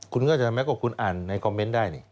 คุณก็จะทำแม้ว่าคุณอ่านในคอมเม้นต์ได้